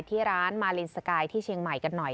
ที่ร้านมาลินสกายที่เชียงใหม่กันหน่อย